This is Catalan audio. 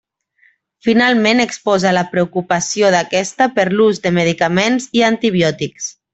Finalment exposa la preocupació d'aquesta per l'ús de medicaments i antibiòtics.